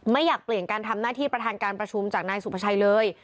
ไม่อยากเปลี่ยนการทำหน้าที่ประธานการประชุมจากนายสุภาชัยเลย